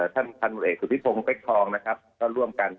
ท่านพันธุเอกสุธิพงศ์เป๊กทองนะครับก็ร่วมกัน